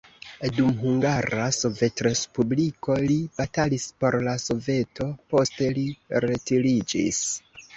Dum Hungara Sovetrespubliko li batalis por la Soveto, poste li retiriĝis.